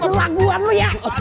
kelaguan lo ya